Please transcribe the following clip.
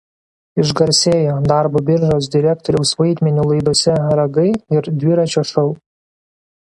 Išgarsėjo Darbo biržos direktoriaus vaidmeniu laidose „Ragai“ ir „Dviračio šou“.